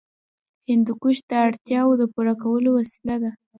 هندوکش د اړتیاوو د پوره کولو وسیله ده.